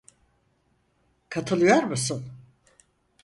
Katılıyor musun?